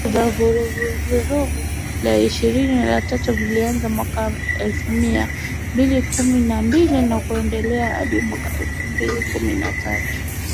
Vita vya Vuguvugu la Ishirini na tatu vilianza mwaka elfu mbili kumi na mbili na kuendelea hadi mwaka elfu mbili kumi na tatu